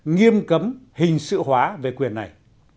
nghiêm cấm hình sự hóa về quyền này